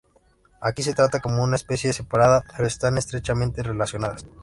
Aquí se trata como una especie separada, pero están estrechamente relacionadas.